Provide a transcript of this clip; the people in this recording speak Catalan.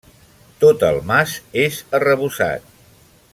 Tot el mas és arrebossat.